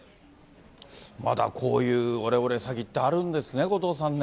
まだこういうオレオレ詐欺ってあるんですね、後藤さんね。